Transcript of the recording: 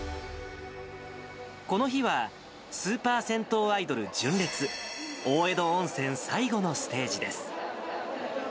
この日は、スーパー銭湯アイドル、純烈、大江戸温泉最後のステージです。